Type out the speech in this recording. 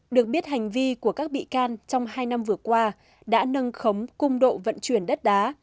được biết hành vi của các bị can trong hai năm vừa qua đã nâng khống cung độ vận chuyển đất đá